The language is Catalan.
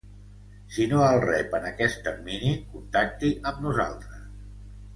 Si no el rep en aquest termini contacti amb nosaltres.